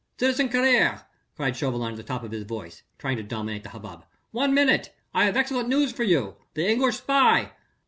"Citizen Carrier!" cried Chauvelin at the top of his voice, trying to dominate the hubbub, "one minute ... I have excellent news for you.... The English spy...."